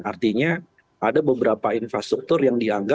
artinya ada beberapa infrastruktur yang dianggap